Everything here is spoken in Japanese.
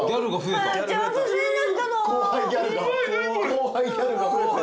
後輩ギャルが増えてる。